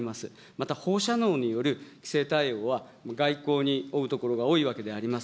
また放射能による規制対応は、外交におうところが多いわけであります。